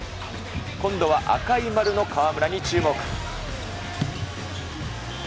今度は赤い丸の河村に注目。